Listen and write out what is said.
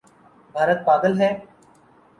بھارت پاگل ہے؟